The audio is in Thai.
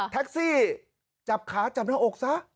แท็กซี่จับขาจับหน้าอกซะ